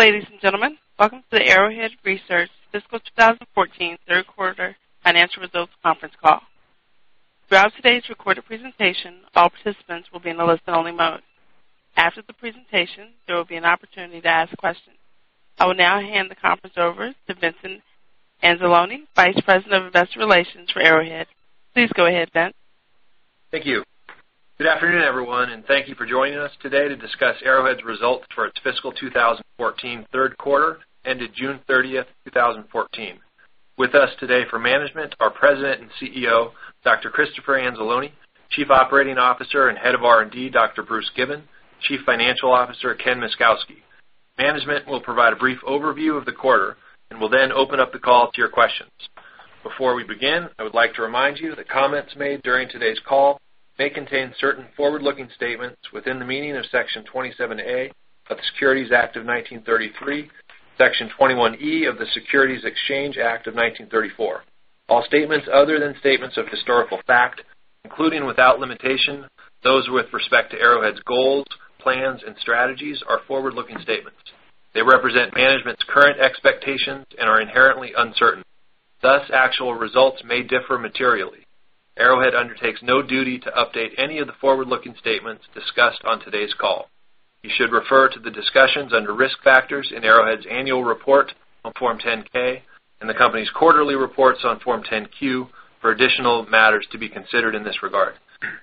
Ladies and gentlemen, welcome to the Arrowhead Research Fiscal 2014 third quarter financial results conference call. Throughout today's recorded presentation, all participants will be in a listen-only mode. After the presentation, there will be an opportunity to ask questions. I will now hand the conference over to Vince Anzalone, Vice President of Investor Relations for Arrowhead. Please go ahead, Vince. Thank you. Good afternoon, everyone, and thank you for joining us today to discuss Arrowhead's results for its fiscal 2014 third quarter ended June 30th, 2014. With us today for management, are President and CEO, Dr. Christopher Anzalone, Chief Operating Officer and Head of R&D, Dr. Bruce Given, Chief Financial Officer, Ken Myszkowski. Management will provide a brief overview of the quarter and will then open up the call to your questions. Before we begin, I would like to remind you that comments made during today's call may contain certain forward-looking statements within the meaning of Section 27A of the Securities Act of 1933, Section 21E of the Securities Exchange Act of 1934. All statements other than statements of historical fact, including, without limitation, those with respect to Arrowhead's goals, plans, and strategies, are forward-looking statements. They represent management's current expectations and are inherently uncertain. Thus, actual results may differ materially. Arrowhead undertakes no duty to update any of the forward-looking statements discussed on today's call. You should refer to the discussions under Risk Factors in Arrowhead's annual report on Form 10-K and the company's quarterly reports on Form 10-Q for additional matters to be considered in this regard.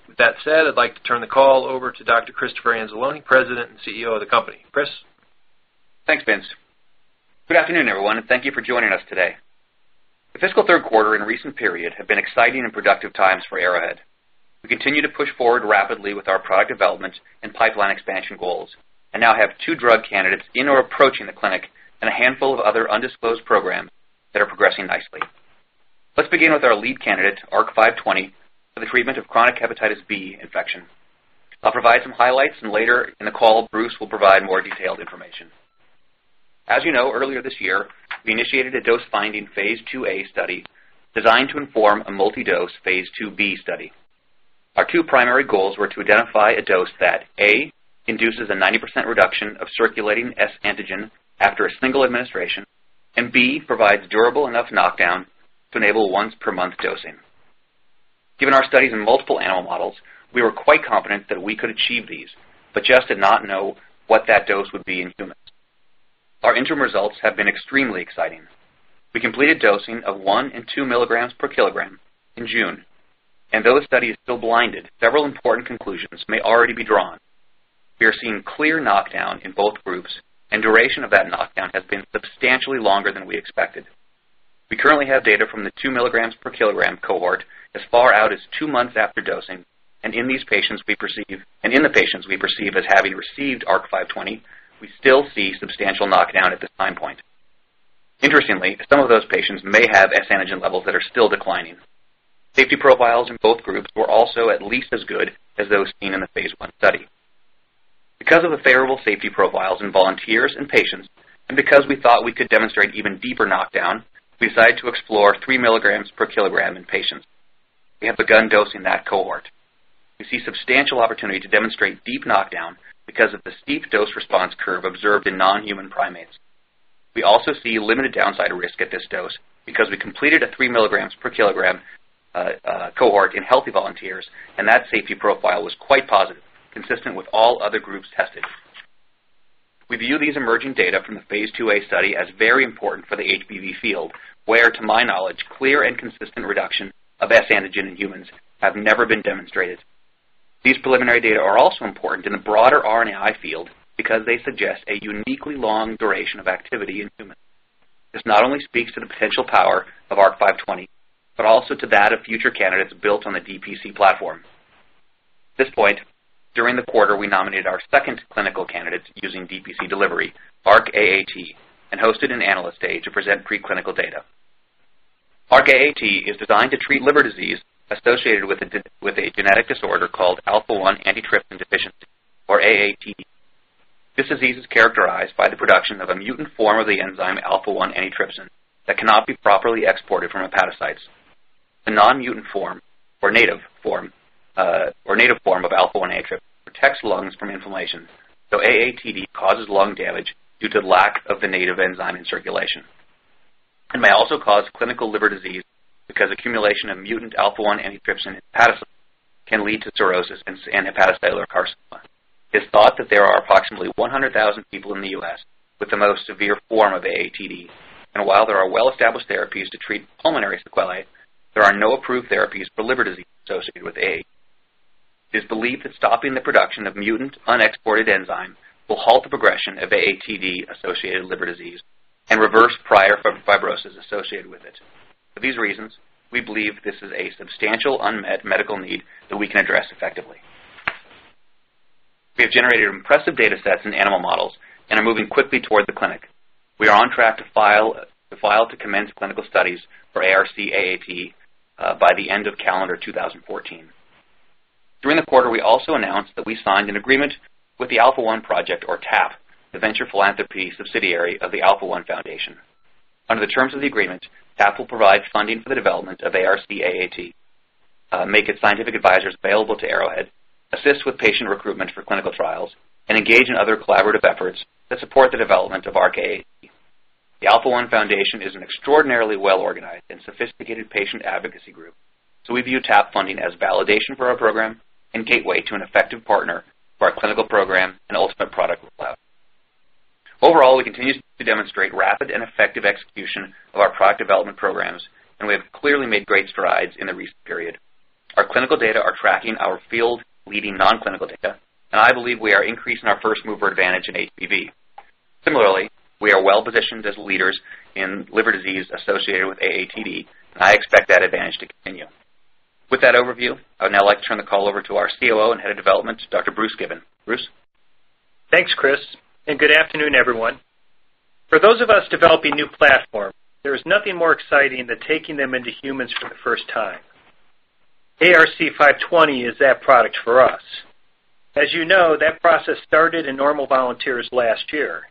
With that said, I'd like to turn the call over to Dr. Christopher Anzalone, President and CEO of the company. Chris? Thanks, Vince. Good afternoon, everyone, and thank you for joining us today. The fiscal third quarter and recent period have been exciting and productive times for Arrowhead. We continue to push forward rapidly with our product development and pipeline expansion goals and now have two drug candidates in or approaching the clinic and a handful of other undisclosed programs that are progressing nicely. Let's begin with our lead candidate, ARC-520, for the treatment of chronic hepatitis B infection. I'll provide some highlights, and later in the call, Bruce will provide more detailed information. As you know, earlier this year, we initiated a dose-finding phase IIa study designed to inform a multi-dose phase IIb study. Our two primary goals were to identify a dose that, A, induces a 90% reduction of circulating S antigen after a single administration, and B, provides durable enough knockdown to enable once per month dosing. Given our studies in multiple animal models, we were quite confident that we could achieve these, but just did not know what that dose would be in humans. Our interim results have been extremely exciting. We completed dosing of one and two milligrams per kilogram in June. Though the study is still blinded, several important conclusions may already be drawn. We are seeing clear knockdown in both groups. Duration of that knockdown has been substantially longer than we expected. We currently have data from the two milligrams per kilogram cohort as far out as two months after dosing. In the patients we perceive as having received ARC-520, we still see substantial knockdown at this time point. Interestingly, some of those patients may have S antigen levels that are still declining. Safety profiles in both groups were also at least as good as those seen in the phase I study. Because of the favorable safety profiles in volunteers and patients, and because we thought we could demonstrate even deeper knockdown, we decided to explore three milligrams per kilogram in patients. We have begun dosing that cohort. We see substantial opportunity to demonstrate deep knockdown because of the steep dose-response curve observed in non-human primates. We also see limited downside risk at this dose because we completed a three milligrams per kilogram cohort in healthy volunteers. That safety profile was quite positive, consistent with all other groups tested. We view these emerging data from the phase IIa study as very important for the HBV field, where, to my knowledge, clear and consistent reduction of S antigen in humans have never been demonstrated. These preliminary data are also important in the broader RNAi field because they suggest a uniquely long duration of activity in humans. This not only speaks to the potential power of ARC-520, but also to that of future candidates built on the DPC platform. At this point during the quarter, we nominated our second clinical candidate using DPC delivery, ARC-AAT. Hosted an Analyst Day to present pre-clinical data. ARC-AAT is designed to treat liver disease associated with a genetic disorder called alpha-1 antitrypsin deficiency, or AATD. This disease is characterized by the production of a mutant form of the enzyme alpha-1 antitrypsin that cannot be properly exported from hepatocytes. The non-mutant form or native form of alpha-1 antitrypsin protects lungs from inflammation. AATD causes lung damage due to lack of the native enzyme in circulation. It may also cause clinical liver disease because accumulation of mutant alpha-1 antitrypsin in hepatocytes can lead to cirrhosis and hepatocellular carcinoma. It's thought that there are approximately 100,000 people in the U.S. with the most severe form of AATD. While there are well-established therapies to treat pulmonary sequelae, there are no approved therapies for liver disease associated with AATD. It is believed that stopping the production of mutant unexported enzyme will halt the progression of AATD-associated liver disease and reverse prior fibrosis associated with it. For these reasons, we believe this is a substantial unmet medical need that we can address effectively. We have generated impressive data sets in animal models. Are moving quickly toward the clinic. We are on track to file to commence clinical studies for ARC-AAT by the end of calendar 2014. During the quarter, we also announced that we signed an agreement with The Alpha-1 Project, or TAP, the venture philanthropy subsidiary of the Alpha-1 Foundation. Under the terms of the agreement, TAP will provide funding for the development of ARC-AAT, make its scientific advisors available to Arrowhead, assist with patient recruitment for clinical trials, and engage in other collaborative efforts that support the development of ARC-AAT. The Alpha-1 Foundation is an extraordinarily well-organized and sophisticated patient advocacy group. We view TAP funding as validation for our program and a gateway to an effective partner for our clinical program and ultimate product rollout. Overall, we continue to demonstrate rapid and effective execution of our product development programs. We have clearly made great strides in the recent period. Our clinical data are tracking our field-leading non-clinical data. I believe we are increasing our first-mover advantage in HBV. Similarly, we are well-positioned as leaders in liver disease associated with AATD. I expect that advantage to continue. With that overview, I would now like to turn the call over to our COO and Head of Development, Dr. Bruce Given. Bruce? Thanks, Chris. Good afternoon, everyone. For those of us developing new platforms, there is nothing more exciting than taking them into humans for the first time. ARC-520 is that product for us. As you know, that process started in normal volunteers last year.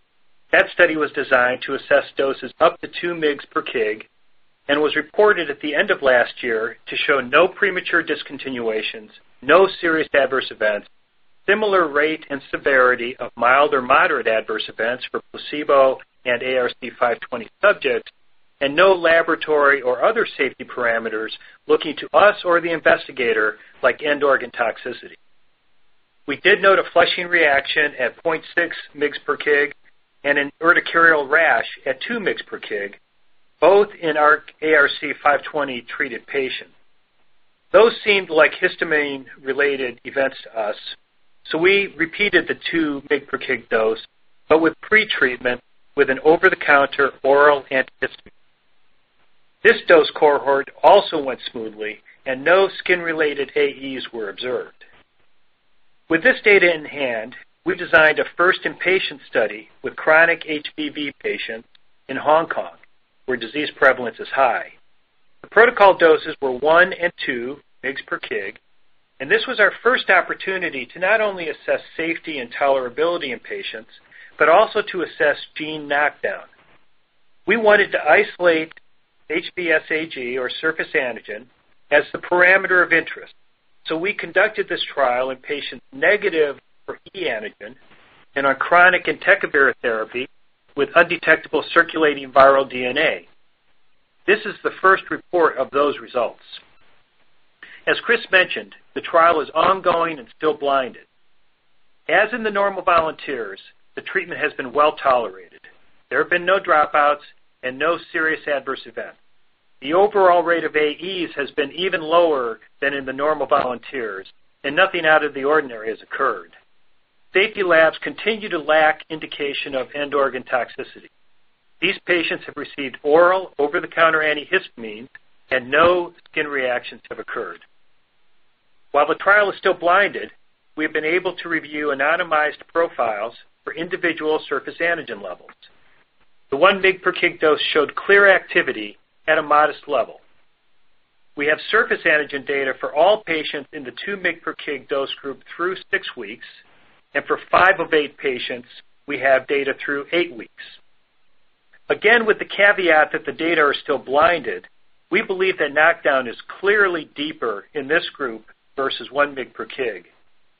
That study was designed to assess doses up to 2 mg/kg. It was reported at the end of last year to show no premature discontinuations, no serious Adverse Events, similar rate and severity of mild or moderate Adverse Events for placebo and ARC-520 subjects. No laboratory or other safety parameters looking to us or the investigator like end-organ toxicity. We did note a flushing reaction at 0.6 mg/kg and an urticarial rash at 2 mg/kg, both in our ARC-520-treated patients. Those seemed like histamine-related events to us. We repeated the 2 mg/kg dose, but with pre-treatment with an over-the-counter oral antihistamine. This dose cohort also went smoothly. No skin-related AEs were observed. With this data in hand, we designed a first in-patient study with chronic HBV patients in Hong Kong, where disease prevalence is high. The protocol doses were 1 and 2 mg/kg. This was our first opportunity to not only assess safety and tolerability in patients, but also to assess gene knockdown. We wanted to isolate HBsAg or Hepatitis B surface antigen as the parameter of interest. We conducted this trial in patients negative for e-antigen and on chronic entecavir therapy with undetectable circulating viral DNA. This is the first report of those results. As Chris mentioned, the trial is ongoing and still blinded. As in the normal volunteers, the treatment has been well-tolerated. There have been no dropouts and no serious adverse events. The overall rate of AEs has been even lower than in the normal volunteers, and nothing out of the ordinary has occurred. Safety labs continue to lack indication of end-organ toxicity. These patients have received oral, over-the-counter antihistamine and no skin reactions have occurred. While the trial is still blinded, we have been able to review anonymized profiles for individual surface antigen levels. The 1 mg per kg dose showed clear activity at a modest level. We have surface antigen data for all patients in the 2 mg per kg dose group through 6 weeks, and for 5 of 8 patients, we have data through 8 weeks. Again, with the caveat that the data are still blinded, we believe that knockdown is clearly deeper in this group versus 1 mg per kg.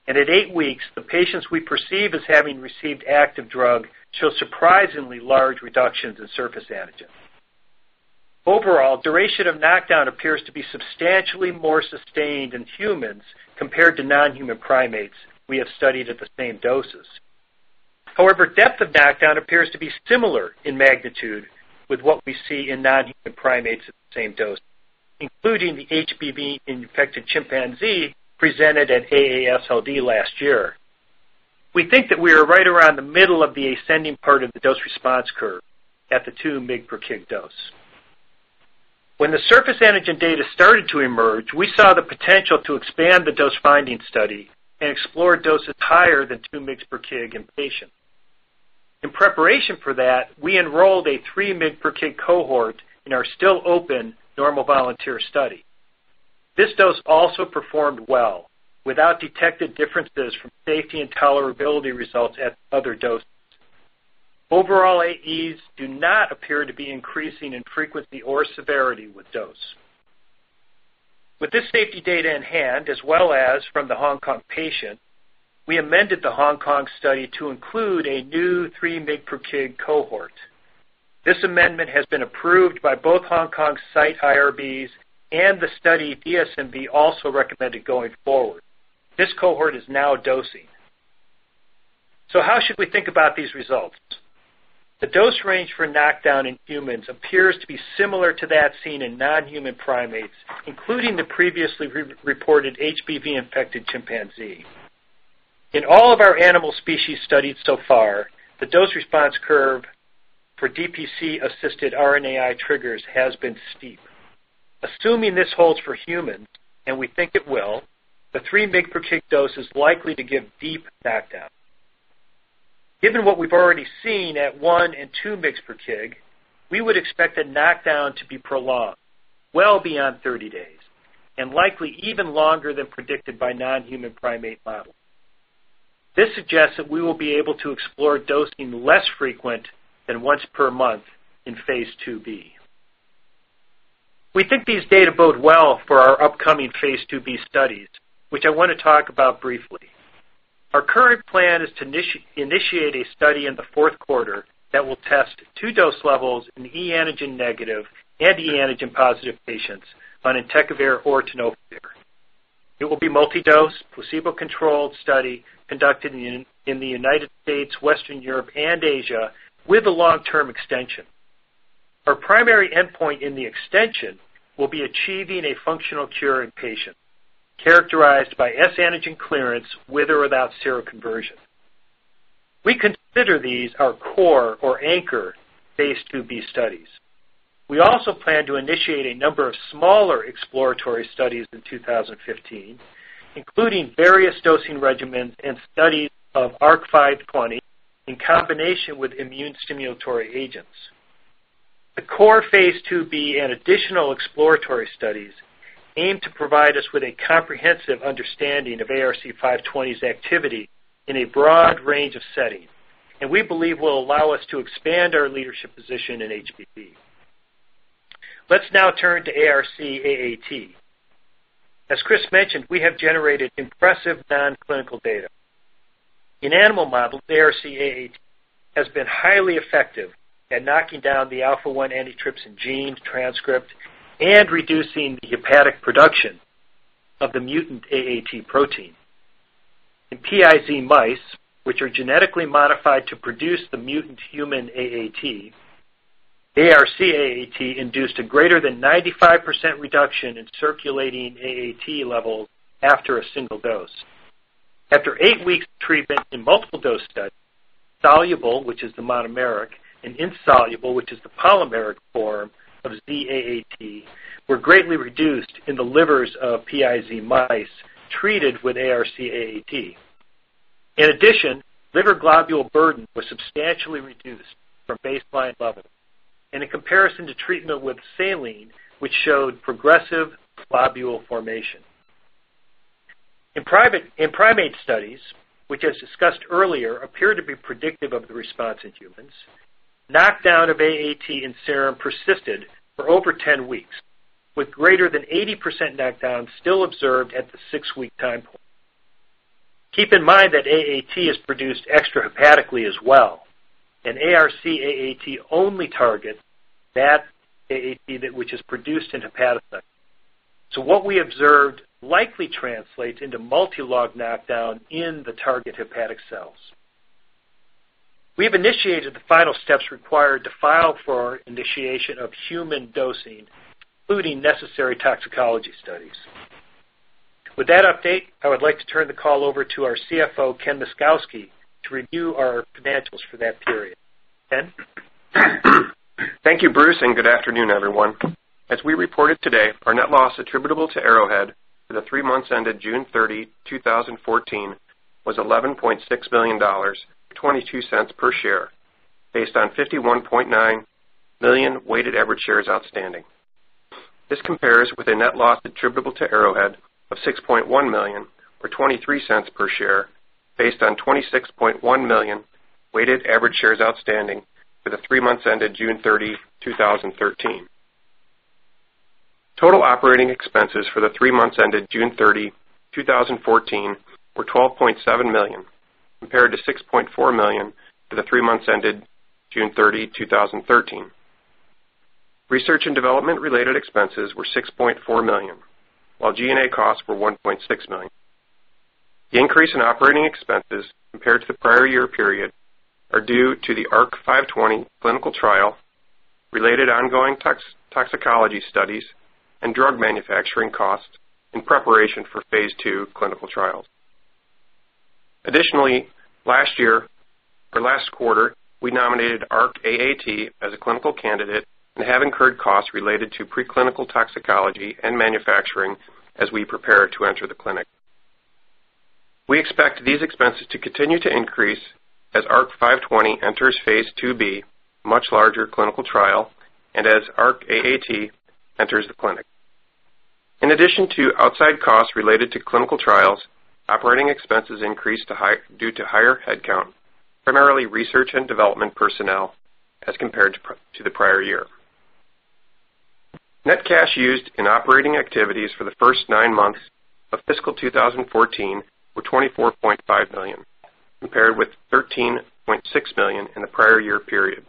At 8 weeks, the patients we perceive as having received active drug show surprisingly large reductions in surface antigen. Overall, duration of knockdown appears to be substantially more sustained in humans compared to non-human primates we have studied at the same doses. However, depth of knockdown appears to be similar in magnitude with what we see in non-human primates at the same dose, including the HBV-infected chimpanzee presented at AASLD last year. We think that we are right around the middle of the ascending part of the dose response curve at the 2 mg per kg dose. When the surface antigen data started to emerge, we saw the potential to expand the dose-finding study and explore doses higher than 2 mgs per kg in patients. In preparation for that, we enrolled a 3 mg per kg cohort in our still open normal volunteer study. This dose also performed well without detected differences from safety and tolerability results at other doses. Overall AEs do not appear to be increasing in frequency or severity with dose. With this safety data in hand, as well as from the Hong Kong patient, we amended the Hong Kong study to include a new 3 mg per kg cohort. This amendment has been approved by both Hong Kong site IRBs and the study DSMB also recommended going forward. This cohort is now dosing. How should we think about these results? The dose range for knockdown in humans appears to be similar to that seen in non-human primates, including the previously reported HBV-infected chimpanzee. In all of our animal species studied so far, the dose response curve for DPC assisted RNAi triggers has been steep. Assuming this holds for humans, and we think it will, the 3 mg per kg dose is likely to give deep knockdown. Given what we've already seen at 1 and 2 mgs per kg, we would expect the knockdown to be prolonged well beyond 30 days, and likely even longer than predicted by non-human primate models. This suggests that we will be able to explore dosing less frequent than once per month in phase IIb. We think these data bode well for our upcoming phase IIb studies, which I want to talk about briefly. Our current plan is to initiate a study in the fourth quarter that will test 2 dose levels in e-antigen negative and e-antigen positive patients on entecavir or tenofovir. It will be a multi-dose, placebo-controlled study conducted in the United States, Western Europe, and Asia with a long-term extension. Our primary endpoint in the extension will be achieving a functional cure in patients, characterized by S antigen clearance with or without seroconversion. We consider these our core or anchor phase IIb studies. We also plan to initiate a number of smaller exploratory studies in 2015, including various dosing regimens and studies of ARC-520 in combination with immune stimulatory agents. The core phase IIb and additional exploratory studies aim to provide us with a comprehensive understanding of ARC-520's activity in a broad range of settings and we believe will allow us to expand our leadership position in HBV. Let's now turn to ARC-AAT. As Chris mentioned, we have generated impressive non-clinical data. In animal models, ARC-AAT has been highly effective at knocking down the alpha-1 antitrypsin gene transcript and reducing the hepatic production of the mutant AAT protein. In PiZ mice, which are genetically modified to produce the mutant human AAT, ARC-AAT induced a greater than 95% reduction in circulating AAT levels after a single dose. After 8 weeks of treatment in multiple dose studies, soluble, which is the monomeric, and insoluble, which is the polymeric form of Z-AAT, were greatly reduced in the livers of PiZ mice treated with ARC-AAT. In addition, liver globule burden was substantially reduced from baseline levels in a comparison to treatment with saline, which showed progressive globule formation. In primate studies, which as discussed earlier, appear to be predictive of the response in humans, knockdown of AAT in serum persisted for over 10 weeks, with greater than 80% knockdown still observed at the 6-week time point. Keep in mind that AAT is produced extrahepatically as well, and ARC-AAT only targets that AAT which is produced in hepatocytes. What we observed likely translates into multi-log knockdown in the target hepatic cells. We have initiated the final steps required to file for initiation of human dosing, including necessary toxicology studies. With that update, I would like to turn the call over to our CFO, Ken Myszkowski, to review our financials for that period. Ken? Thank you, Bruce, and good afternoon, everyone. As we reported today, our net loss attributable to Arrowhead for the 3 months ended June 30, 2014, was $11.6 million, $0.22 per share, based on 51.9 million weighted average shares outstanding. This compares with a net loss attributable to Arrowhead of $6.1 million, or $0.23 per share, based on 26.1 million weighted average shares outstanding for the 3 months ended June 30, 2013. Total operating expenses for the 3 months ended June 30, 2014, were $12.7 million compared to $6.4 million for the 3 months ended June 30, 2013. Research and development related expenses were $6.4 million, while G&A costs were $1.6 million. The increase in operating expenses compared to the prior year period are due to the ARC-520 clinical trial, related ongoing toxicology studies, and drug manufacturing costs in preparation for phase II clinical trials. Last quarter, we nominated ARC-AAT as a clinical candidate and have incurred costs related to preclinical toxicology and manufacturing as we prepare to enter the clinic. We expect these expenses to continue to increase as ARC-520 enters phase IIb, a much larger clinical trial, and as ARC-AAT enters the clinic. In addition to outside costs related to clinical trials, operating expenses increased due to higher headcount, primarily research and development personnel as compared to the prior year. Net cash used in operating activities for the first nine months of fiscal 2014 were $24.5 million, compared with $13.6 million in the prior year period.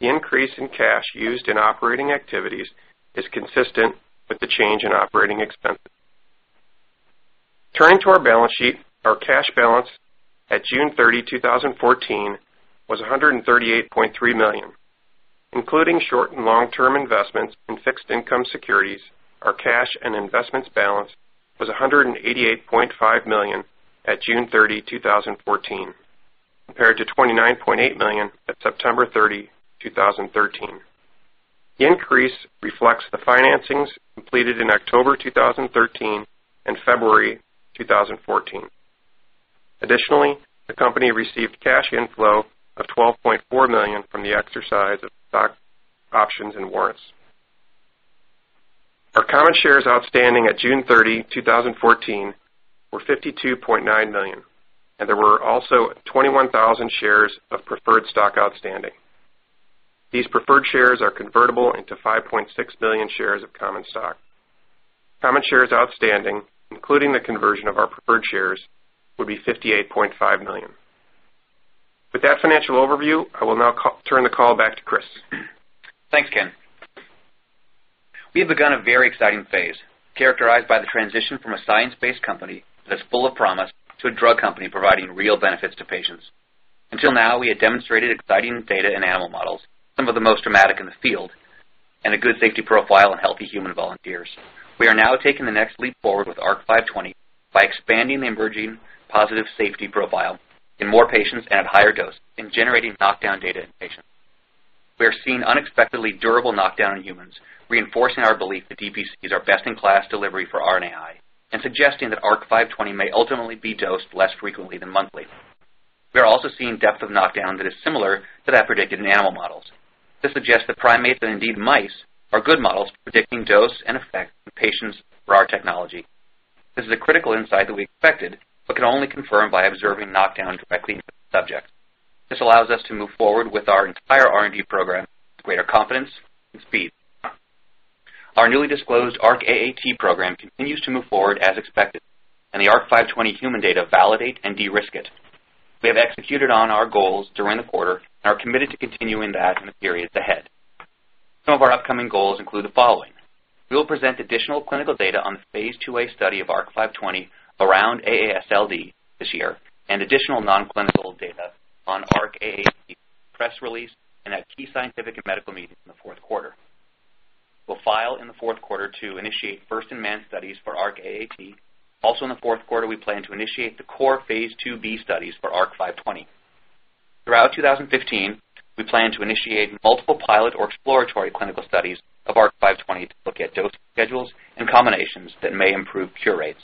The increase in cash used in operating activities is consistent with the change in operating expenses. Turning to our balance sheet, our cash balance at June 30, 2014, was $138.3 million. Including short and long-term investments in fixed income securities, our cash and investments balance was $188.5 million at June 30, 2014, compared to $29.8 million at September 30, 2013. The company received cash inflow of $12.4 million from the exercise of stock options and warrants. Our common shares outstanding at June 30, 2014 were 52.9 million, and there were also 21,000 shares of preferred stock outstanding. These preferred shares are convertible into 5.6 million shares of common stock. Common shares outstanding, including the conversion of our preferred shares, would be 58.5 million. With that financial overview, I will now turn the call back to Chris. Thanks, Ken. We have begun a very exciting phase, characterized by the transition from a science-based company that's full of promise, to a drug company providing real benefits to patients. Until now, we had demonstrated exciting data in animal models, some of the most dramatic in the field, and a good safety profile in healthy human volunteers. We are now taking the next leap forward with ARC-520 by expanding the emerging positive safety profile in more patients at a higher dose and generating knockdown data in patients. We are seeing unexpectedly durable knockdown in humans, reinforcing our belief that DPC is our best-in-class delivery for RNAi and suggesting that ARC-520 may ultimately be dosed less frequently than monthly. We are also seeing depth of knockdown that is similar to that predicted in animal models. This suggests that primates and indeed mice are good models for predicting dose and effect in patients for our technology. This is a critical insight that we expected but can only confirm by observing knockdown directly in the subject. This allows us to move forward with our entire R&D program with greater confidence and speed. Our newly disclosed ARC-AAT program continues to move forward as expected, and the ARC-520 human data validate and de-risk it. We have executed on our goals during the quarter and are committed to continuing that in the periods ahead. Some of our upcoming goals include the following. We will present additional clinical data on the phase IIa study of ARC-520 around AASLD this year and additional non-clinical data on ARC-AAT press release and at key scientific and medical meetings in the fourth quarter. We'll file in the fourth quarter to initiate first-in-man studies for ARC-AAT. In the fourth quarter, we plan to initiate the core phase IIb studies for ARC-520. Throughout 2015, we plan to initiate multiple pilot or exploratory clinical studies of ARC-520 to look at dose schedules and combinations that may improve cure rates.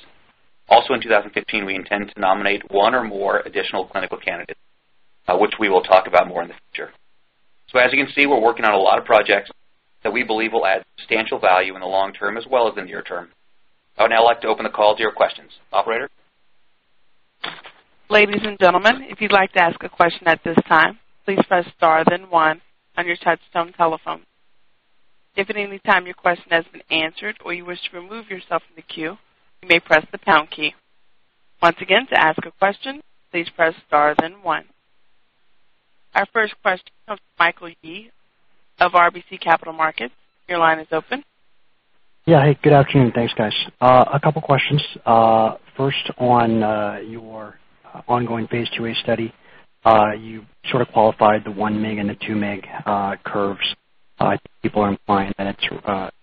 Also in 2015, we intend to nominate one or more additional clinical candidates, which we will talk about more in the future. As you can see, we're working on a lot of projects that we believe will add substantial value in the long term as well as the near term. I would now like to open the call to your questions. Operator? Ladies and gentlemen, if you'd like to ask a question at this time, please press star then one on your touchtone telephone. If at any time your question has been answered or you wish to remove yourself from the queue, you may press the pound key. Once again, to ask a question, please press star then one. Our first question comes from Michael Yee of RBC Capital Markets. Your line is open. Hey, good afternoon. Thanks, guys. A couple questions. First, on your ongoing phase IIa study. You sort of qualified the 1 mg and the 2 mg curves. I think people are implying that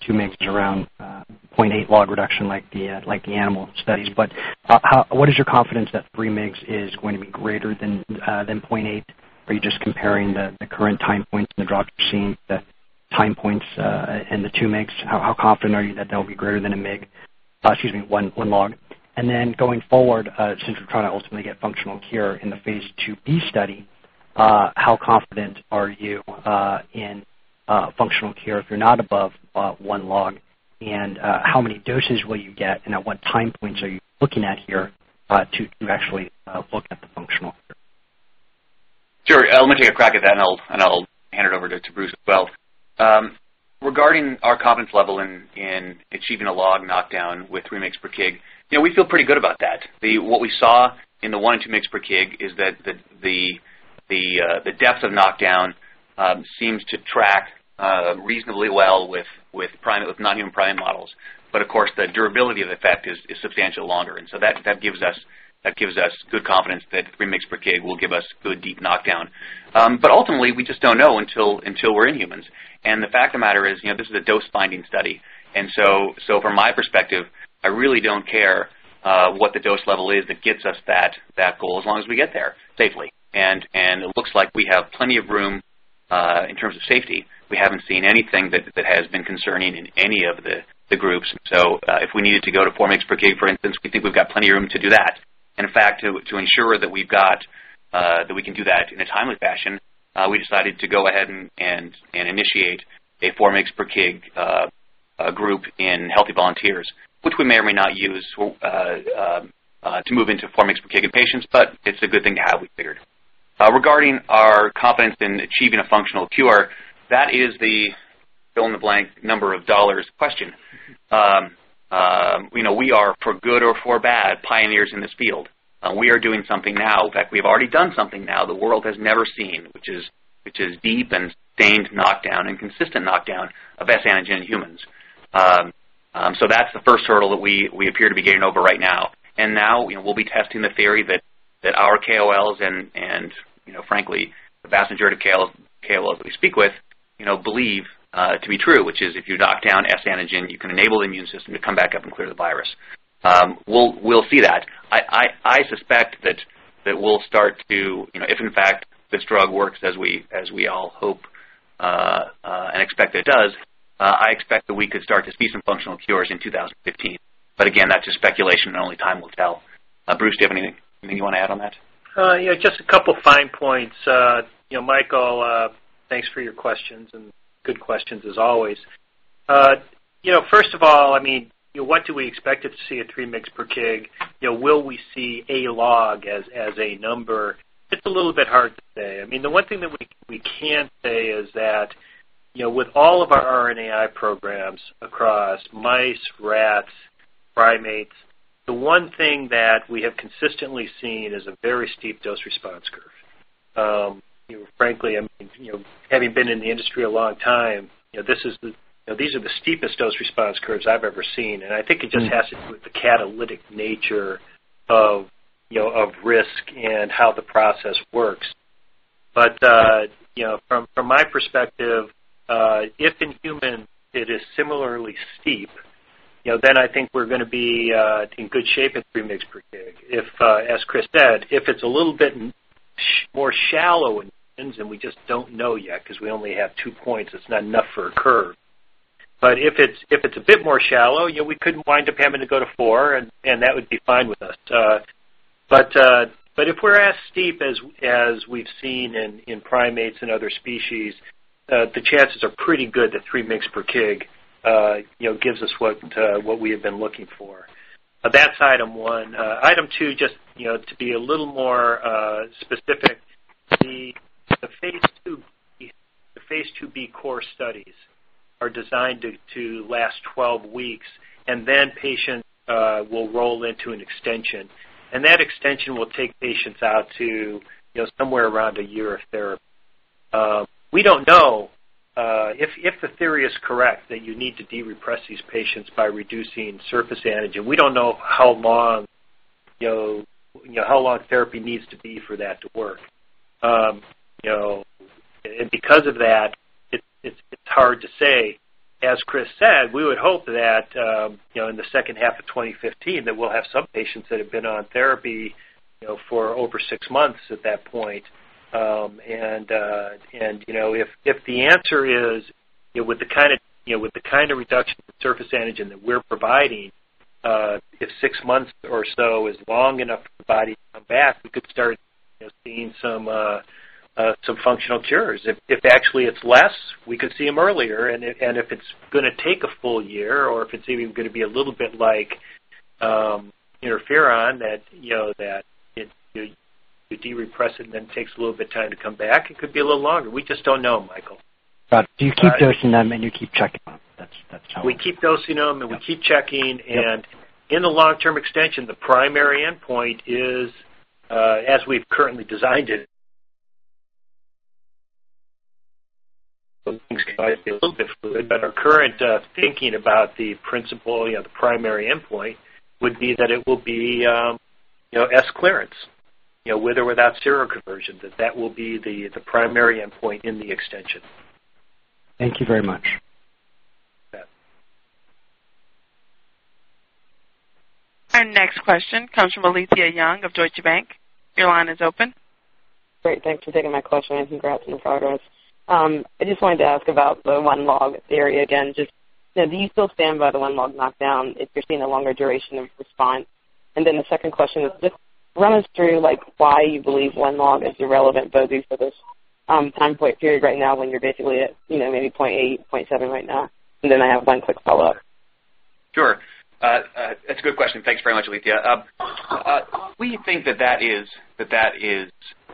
2 mgs is around 0.8 log reduction like the animal studies. What is your confidence that 3 mgs is going to be greater than 0.8? Are you just comparing the current time points in the drugs you're seeing, the time points in the 2 mgs? How confident are you that they'll be greater than 1 mg—excuse me, 1 log? Going forward, since we're trying to ultimately get functional cure in the phase IIb study, how confident are you in functional cure if you're not above 1 log? How many doses will you get, and at what time points are you looking at here to actually look at the functional cure? Sure. Let me take a crack at that, and I'll hand it over to Bruce as well. Regarding our confidence level in achieving a log knockdown with 3 mgs per kg, we feel pretty good about that. What we saw in the 1 and 2 mgs per kg is that the depth of knockdown seems to track reasonably well with non-human primate models. Of course, the durability of the effect is substantially longer. That gives us good confidence that 3 mgs per kg will give us good deep knockdown. Ultimately, we just don't know until we're in humans. The fact of the matter is, this is a dose-finding study. From my perspective, I really don't care what the dose level is that gets us that goal as long as we get there safely. It looks like we have plenty of room in terms of safety. We haven't seen anything that has been concerning in any of the groups. If we needed to go to four mgs per kg, for instance, we think we've got plenty of room to do that. In fact, to ensure that we can do that in a timely fashion, we decided to go ahead and initiate a four mgs per kg group in healthy volunteers, which we may or may not use to move into four mgs per kg in patients, but it's a good thing to have, we figured. Regarding our confidence in achieving a functional cure, that is the fill-in-the-blank number of dollars question. We are, for good or for bad, pioneers in this field. We are doing something now. In fact, we've already done something now the world has never seen, which is deep and sustained knockdown and consistent knockdown of S antigen in humans. That's the first hurdle that we appear to be getting over right now. Now we'll be testing the theory that our KOLs and frankly, the vast majority of KOLs that we speak with believe to be true, which is if you knock down S antigen, you can enable the immune system to come back up and clear the virus. We'll see that. I suspect that if in fact this drug works as we all hope and expect it does, I expect that we could start to see some functional cures in 2015. Again, that's just speculation and only time will tell. Bruce, do you have anything you want to add on that? Yeah, just a couple of fine points. Michael, thanks for your questions, and good questions as always. First of all, what do we expect to see at three mg per kg? Will we see a log as a number? It's a little bit hard to say. The one thing that we can say is that with all of our RNAi programs across mice, rats, primates, the one thing that we have consistently seen is a very steep dose response curve. Frankly, having been in the industry a long time, these are the steepest dose response curves I've ever seen, and I think it just has to do with the catalytic nature of RNAi and how the process works. From my perspective, if in humans it is similarly steep, then I think we're going to be in good shape at three mg per kg. If, as Chris said, it's a little bit more shallow in humans, and we just don't know yet because we only have two points, it's not enough for a curve. If it's a bit more shallow, we could wind up having to go to four, and that would be fine with us. If we're as steep as we've seen in primates and other species, the chances are pretty good that three mg per kg gives us what we have been looking for. That's item one. Item two, just to be a little more specific, the phase IIb core studies are designed to last 12 weeks, and then patients will roll into an extension. That extension will take patients out to somewhere around a year of therapy. We don't know if the theory is correct that you need to de-repress these patients by reducing surface antigen. We don't know how long therapy needs to be for that to work. Because of that, it's hard to say. As Chris said, we would hope that, in the second half of 2015, that we'll have some patients that have been on therapy for over six months at that point. If the answer is with the kind of reduction in surface antigen that we're providing, if six months or so is long enough for the body to come back, we could start seeing some functional cures. If actually it's less, we could see them earlier, and if it's going to take a full year or if it's even going to be a little bit like interferon, that you de-repress it and then it takes a little bit of time to come back, it could be a little longer. We just don't know, Michael. You keep dosing them, and you keep checking them. That's how- We keep dosing them, and we keep checking. In the long-term extension, the primary endpoint is as we've currently designed it. Our current thinking about the principle, the primary endpoint, would be that it will be S clearance. With or without seroconversion, that will be the primary endpoint in the extension. Thank you very much. You bet. Our next question comes from Alethia Young of Deutsche Bank. Your line is open. Great. Thanks for taking my question. Congrats on the progress. I just wanted to ask about the one log theory again. Do you still stand by the one log knockdown if you're seeing a longer duration of response? The second question is just run us through why you believe one log is irrelevant bogey for this time point period right now when you're basically at maybe 0.8, 0.7 right now. I have one quick follow-up. Sure. That's a good question. Thanks very much, Alethia. We think that that is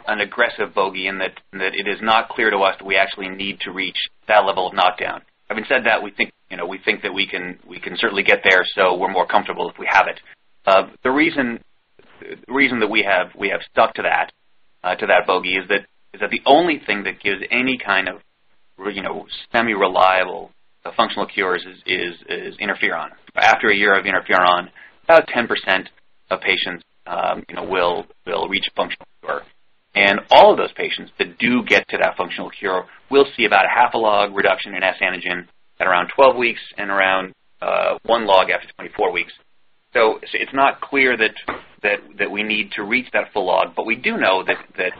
an aggressive bogey and that it is not clear to us that we actually need to reach that level of knockdown. Having said that, we think that we can certainly get there, so we're more comfortable if we have it. The reason that we have stuck to that bogey is that the only thing that gives any kind of semi-reliable functional cures is interferon. After a year of interferon, about 10% of patients will reach functional cure. All of those patients that do get to that functional cure will see about a half a log reduction in S antigen at around 12 weeks and around one log after 24 weeks. It's not clear that we need to reach that full log. We do know that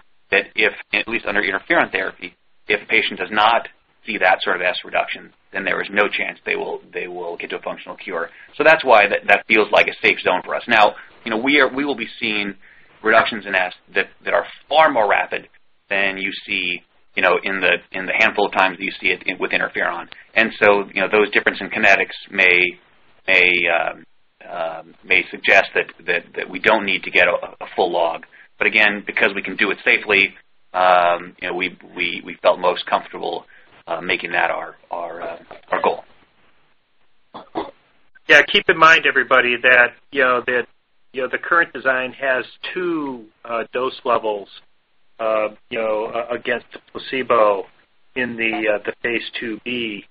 if, at least under interferon therapy, if a patient does not see that sort of S reduction, then there is no chance they will get to a functional cure. That's why that feels like a safe zone for us. We will be seeing reductions in S that are far more rapid than you see in the handful of times that you see it with interferon. Those differences in kinetics may suggest that we don't need to get a full log. Again, because we can do it safely, we felt most comfortable making that our goal. Keep in mind, everybody, that the current design has two dose levels against the placebo in the phase IIb. The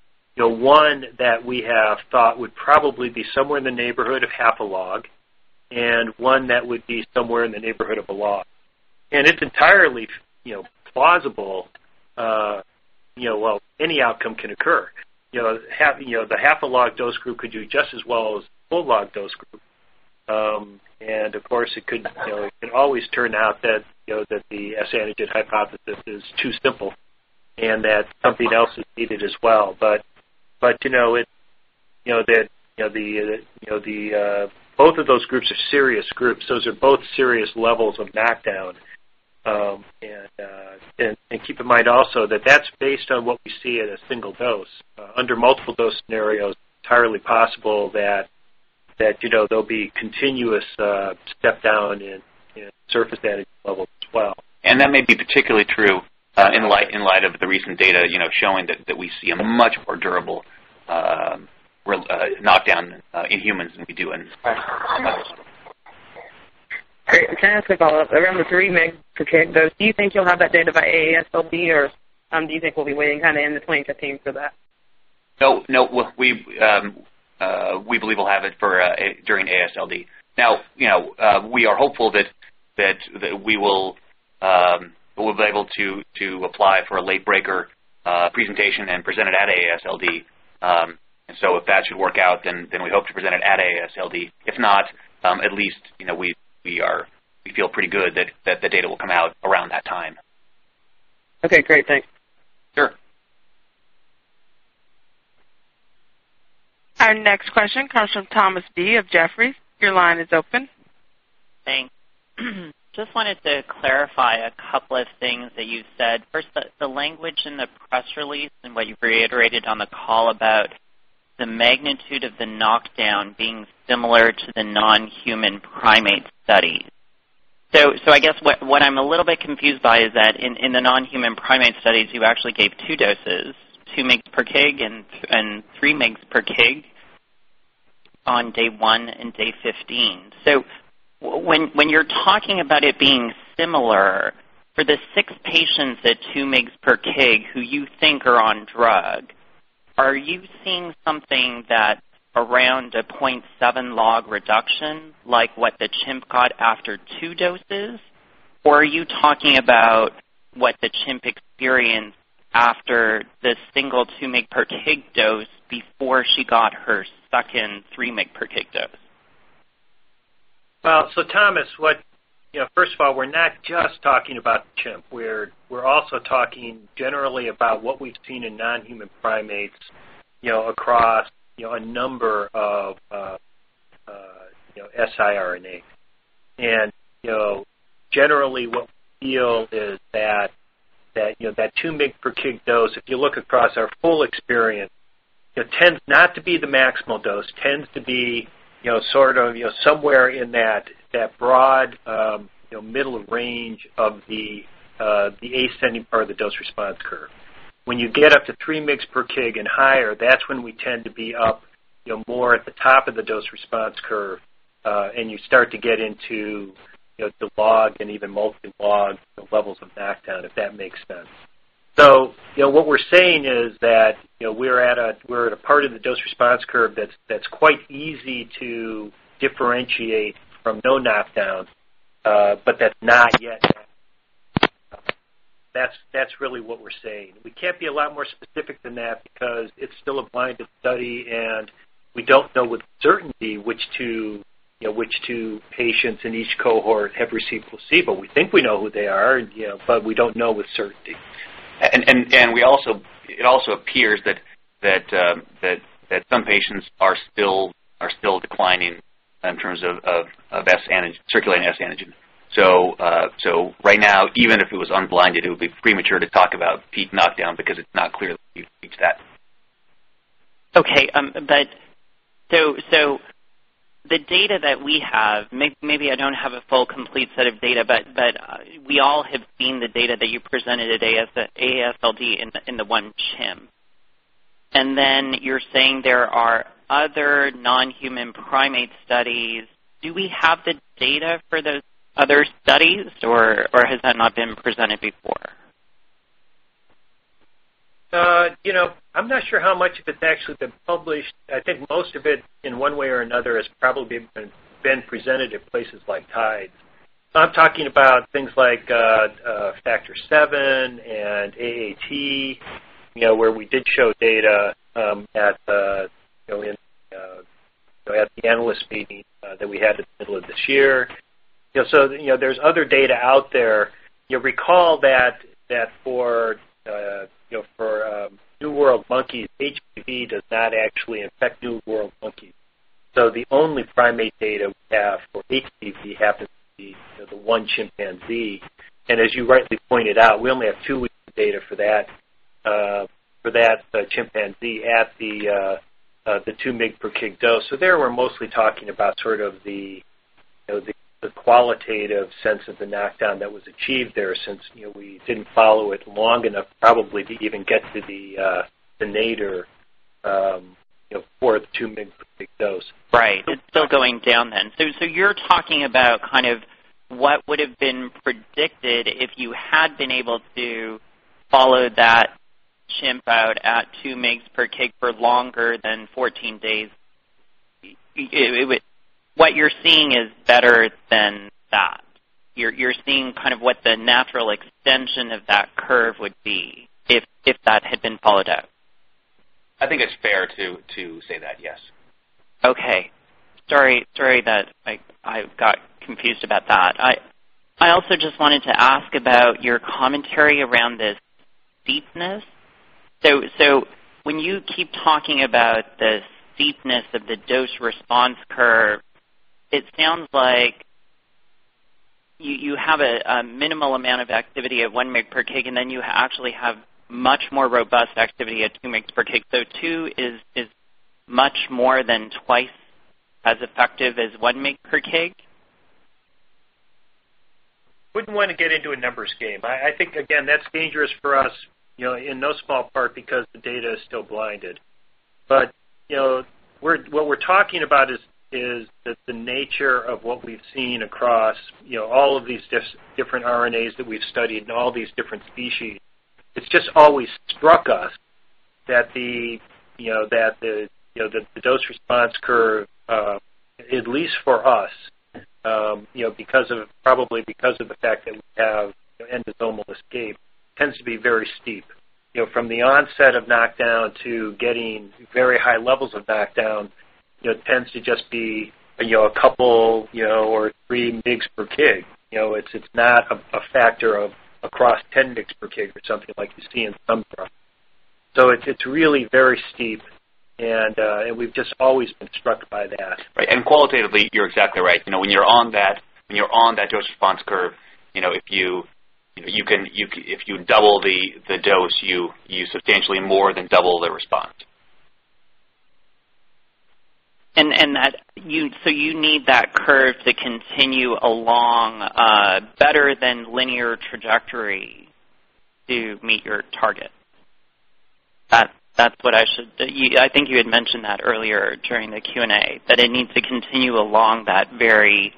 one that we have thought would probably be somewhere in the neighborhood of half a log and one that would be somewhere in the neighborhood of a log. It's entirely plausible. Well, any outcome can occur. The half a log dose group could do just as well as the full log dose group. Of course, it could always turn out that the S antigen hypothesis is too simple and that something else is needed as well. Both of those groups are serious groups. Those are both serious levels of knockdown. Keep in mind also that that's based on what we see at a single dose. Under multiple dose scenarios, entirely possible that there'll be continuous step-down in surface antigen levels as well. That may be particularly true in light of the recent data showing that we see a much more durable knockdown in humans than we do in. Great. Can I ask a follow-up? Around the 3 mg/kg dose, do you think you'll have that data by AASLD, or do you think we'll be waiting kind of into 2015 for that? We believe we'll have it during AASLD. We are hopeful that we'll be able to apply for a late breaker presentation and present it at AASLD. If that should work out, we hope to present it at AASLD. If not, at least, we feel pretty good that the data will come out around that time. Okay, great. Thanks. Sure. Our next question comes from Thomas Bieg of Jefferies. Your line is open. Thanks. Just wanted to clarify a couple of things that you said. First, the language in the press release and what you reiterated on the call about the magnitude of the knockdown being similar to the non-human primate studies. I guess what I'm a little bit confused by is that in the non-human primate studies, you actually gave two doses, two mgs per kg and three mgs per kg on day one and day 15. When you're talking about it being similar, for the six patients at two mgs per kg who you think are on drug, are you seeing something that around a 0.7 log reduction, like what the chimp got after two doses? Are you talking about what the chimp experienced after the single two mg per kg dose before she got her second three mg per kg dose? Thomas, first of all, we're not just talking about the chimp. We're also talking generally about what we've seen in non-human primates across a number of siRNA. Generally what we feel is that two mg per kg dose, if you look across our full experience, tends not to be the maximal dose, tends to be sort of somewhere in that broad middle range of the ascending part of the dose response curve. When you get up to three mg per kg and higher, that's when we tend to be up more at the top of the dose response curve, and you start to get into the log and even multi-log levels of knockdown, if that makes sense. What we're saying is that, we're at a part of the dose response curve that's quite easy to differentiate from no knockdown, but that's not yet. That's really what we're saying. We can't be a lot more specific than that because it's still a blinded study, and we don't know with certainty which two patients in each cohort have received placebo. We think we know who they are, but we don't know with certainty. It also appears that some patients are still declining in terms of circulating S antigen. Right now, even if it was unblinded, it would be premature to talk about peak knockdown because it's not clear that we've reached that. The data that we have, maybe I don't have a full, complete set of data, but we all have seen the data that you presented at AASLD in the one chimp. You're saying there are other non-human primate studies. Do we have the data for those other studies, or has that not been presented before? I'm not sure how much of it's actually been published. I think most of it, in one way or another, has probably been presented at places like TIDES. I'm talking about things like Factor VII and AAT, where we did show data at the analyst meeting that we had at the middle of this year. There's other data out there. You'll recall that for New World monkeys, HBV does not actually infect New World monkeys. The only primate data we have for HBV happens to be the one chimpanzee. As you rightly pointed out, we only have two weeks of data for that chimpanzee at the two mg per kg dose. There, we're mostly talking about sort of the qualitative sense of the knockdown that was achieved there, since we didn't follow it long enough probably to even get to the nadir for the two mg per kg dose. Right. It's still going down then. You're talking about what would've been predicted if you had been able to follow that chimp out at two mgs per kg for longer than 14 days. What you're seeing is better than that. You're seeing what the natural extension of that curve would be if that had been followed out. I think it's fair to say that, yes. Okay. Sorry that I got confused about that. I also just wanted to ask about your commentary around this steepness. When you keep talking about the steepness of the dose response curve, it sounds like you have a minimal amount of activity at 1 mg per kg, and then you actually have much more robust activity at 2 mgs per kg. Is 2 much more than twice as effective as 1 mg per kg? Wouldn't want to get into a numbers game. I think, again, that's dangerous for us, in no small part because the data is still blinded. What we're talking about is that the nature of what we've seen across all of these different RNAs that we've studied and all these different species, it's just always struck us that the dose response curve, at least for us, probably because of the fact that we have endosomal escape, tends to be very steep. From the onset of knockdown to getting very high levels of knockdown, tends to just be a couple or 3 mgs per kg. It's not a factor of across 10 mgs per kg or something like you see in some drugs. It's really very steep, and we've just always been struck by that. Right, qualitatively, you're exactly right. When you're on that dose response curve, if you double the dose, you substantially more than double the response. You need that curve to continue along better than linear trajectory to meet your target. I think you had mentioned that earlier during the Q&A, that it needs to continue along that very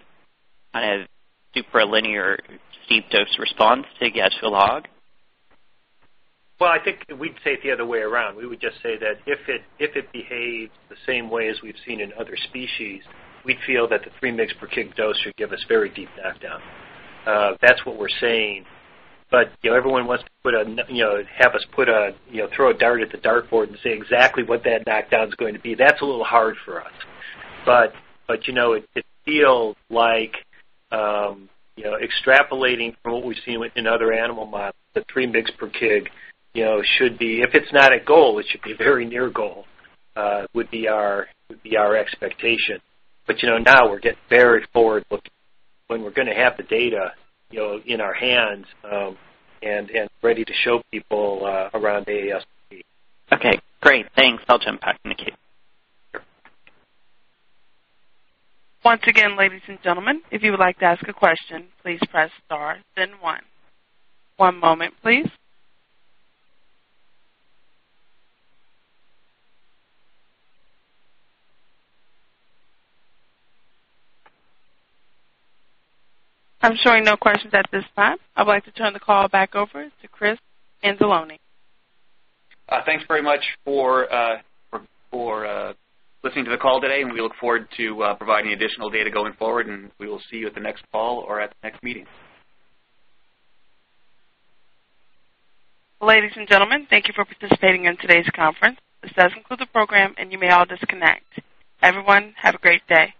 super linear, steep dose response to get to the log. Well, I think we'd say it the other way around. We would just say that if it behaves the same way as we've seen in other species, we feel that the three mg per kg dose should give us very deep knockdown. That's what we're saying. Everyone wants to have us throw a dart at the dartboard and say exactly what that knockdown's going to be. That's a little hard for us. It feels like extrapolating from what we've seen in other animal models, the three mg per kg, if it's not a goal, it should be very near goal, would be our expectation. Now we're getting very forward-looking. When we're going to have the data in our hands, and ready to show people around AASLD. Okay, great. Thanks. I'll jump back to Nikki. Sure. Once again, ladies and gentlemen, if you would like to ask a question, please press star then one. One moment, please. I'm showing no questions at this time. I would like to turn the call back over to Chris Anzalone. Thanks very much for listening to the call today, and we look forward to providing additional data going forward, and we will see you at the next call or at the next meeting. Ladies and gentlemen, thank you for participating in today's conference. This does conclude the program. You may all disconnect. Everyone, have a great day.